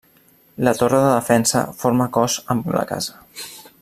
La torre de defensa forma cos amb la casa.